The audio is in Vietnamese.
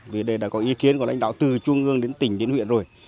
vì đây đã có ý kiến của lãnh đạo từ trung ương đến tỉnh đến huyện rồi